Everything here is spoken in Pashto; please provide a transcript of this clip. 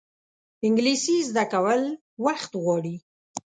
انګلیسي زده کول وخت غواړي